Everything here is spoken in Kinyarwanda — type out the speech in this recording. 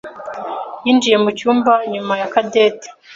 yinjiye mucyumba nyuma ya Cadette.